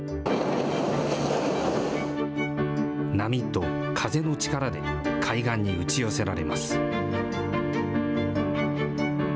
波と風の力で海岸に打ち寄せられます。